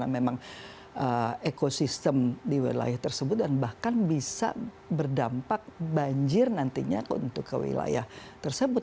dan juga ekosistem di wilayah tersebut dan bahkan bisa berdampak banjir nantinya untuk ke wilayah tersebut